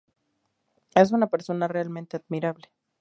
Es una persona realmente admirable.